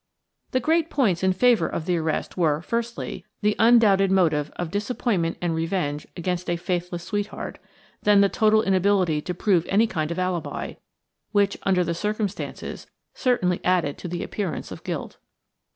The great points in favour of the arrest were, firstly, the undoubted motive of disappointment and revenge against a faithless sweetheart, then the total inability to prove any kind of alibi, which, under the circumstances, certainly added to the appearance of guilt.